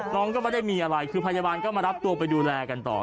น้องก็ไม่ได้มีอะไรคือพยาบาลก็มารับตัวไปดูแลกันต่อ